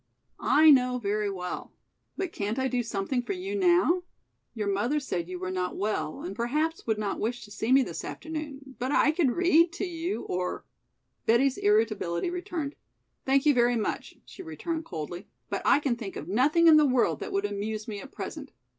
I know very well. But can't I do something for you now? Your mother said you were not well and perhaps would not wish to see me this afternoon, but I could read to you or " Betty's irritability returned. "Thank you very much," she returned coldly, "but I can think of nothing in the world that would amuse me at present.